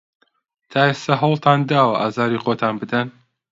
تا ئێستا هەوڵتان داوە ئازاری خۆتان بدەن؟